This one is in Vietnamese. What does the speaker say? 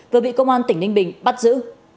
vừa bị công an tỉnh ninh bình bắt giữ